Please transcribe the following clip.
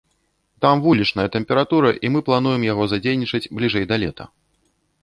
Там вулічная тэмпература, і мы плануем яго задзейнічаць бліжэй да лета.